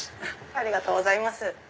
ありがとうございます。